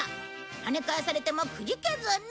跳ね返されてもくじけずに。